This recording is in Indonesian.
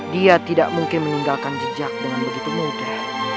dia tidak mungkin meninggalkan jejak dengan begitu mudah